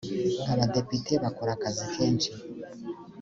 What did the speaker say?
abadepite bakora akazi kenshi.